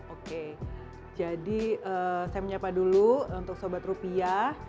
oke jadi saya menyapa dulu untuk sobat rupiah